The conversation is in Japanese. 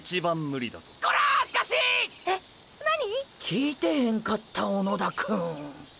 聞いてへんかった小野田くん。